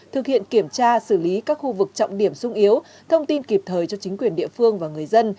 thực hiện kiểm tra xử lý các khu vực trọng điểm sung yếu thông tin kịp thời cho chính quyền địa phương và người dân